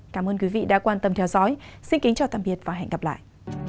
cảm ơn quý vị đã quan tâm theo dõi xin kính chào tạm biệt và hẹn gặp lại